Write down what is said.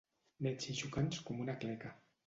Nets i xocants com una cleca.